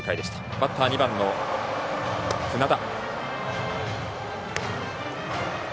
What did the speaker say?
バッター、２番の船田。